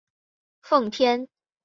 奉天正黄旗人。